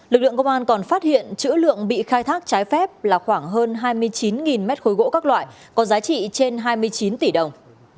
lực lượng công an còn phát hiện chữ lượng bị khai thác trái phép là khoảng hơn hai mươi chín mét khối gỗ các loại có giá trị trên hai mươi chín tỷ đồng